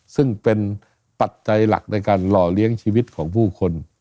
ซึ่งเป็นปัจจัยหลักในการหล่อเลี้ยงชีวิตของผู้คน